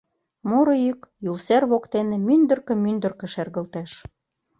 Муро йӱк Юл сер воктене мӱндыркӧ-мӱндыркӧ шергылтеш: